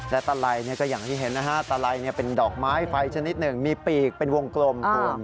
และตะไลก็อย่างที่เห็นนะฮะตะไลเป็นดอกไม้ไฟชนิดหนึ่งมีปีกเป็นวงกลมคุณ